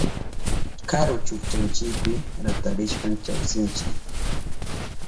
Kuru chukchanchipi ratarishpan chawsinchi.